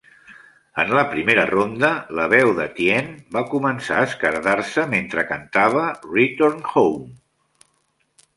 En la primera ronda, la veu de Tien va començar a esquerdar-se mentre cantava "Return Home".